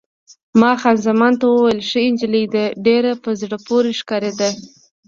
ما خان زمان ته وویل: ښه نجلۍ ده، ډېره په زړه پورې ښکارېده.